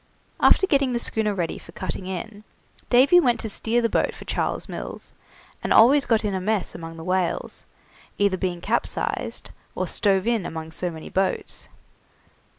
After getting the schooner ready for cutting in, Davy went to steer the boat for Charles Mills, and always got in a mess among the whales, being either capsized or stove in among so many boats.